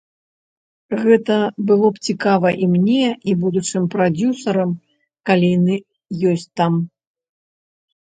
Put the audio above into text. Гэта было б цікава і мне, і будучым прадзюсарам, калі яны ёсць там.